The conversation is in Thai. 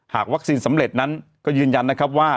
หากวัคซีนสำเร็จนั้นก็ยืนยันว่า